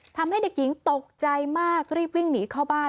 ทำให้เด็กหญิงตกใจมากรีบวิ่งหนีเข้าบ้าน